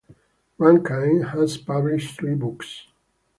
Rankine has published three books.